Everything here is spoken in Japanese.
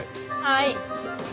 はい。